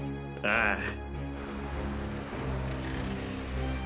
ああ。